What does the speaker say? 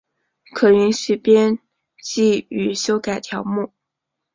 可允许编辑与修改条目。